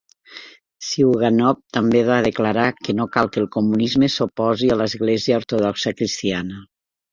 Zyuganov també va declarar que no cal que el comunisme s'oposi a l'Església Ortodoxa Cristiana.